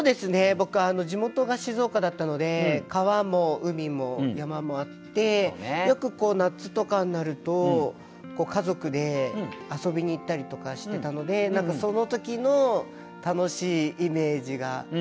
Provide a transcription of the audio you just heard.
僕地元が静岡だったので川も海も山もあってよく夏とかになると家族で遊びに行ったりとかしてたので何かその時の楽しいイメージがやっぱありますね。